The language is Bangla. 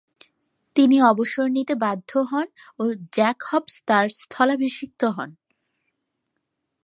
তিনি অবসর নিতে বাধ্য হন ও জ্যাক হবস তার স্থলাভিষিক্ত হন।